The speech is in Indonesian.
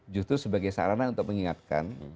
justru sebagai sarana untuk mengingatkan